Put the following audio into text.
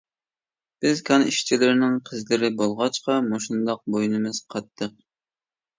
-بىز كان ئىشچىلىرىنىڭ قىزلىرى بولغاچقا مۇشۇنداق بوينىمىز قاتتىق.